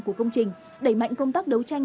của công trình đẩy mạnh công tác đấu tranh